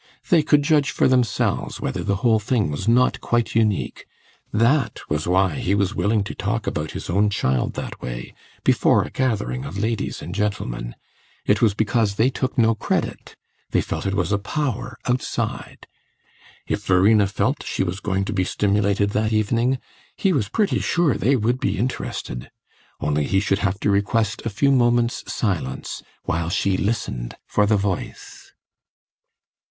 They could judge for themselves whether the whole thing was not quite unique. That was why he was willing to talk about his own child that way, before a gathering of ladies and gentlemen; it was because they took no credit they felt it was a power outside. If Verena felt she was going to be stimulated that evening, he was pretty sure they would be interested. Only he should have to request a few moments' silence, while she listened for the voice.